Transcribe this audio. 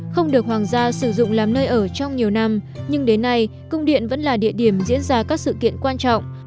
không được hoàng gia sử dụng làm nơi ở trong nhiều năm nhưng đến nay cung điện vẫn là địa điểm diễn ra các sự kiện quan trọng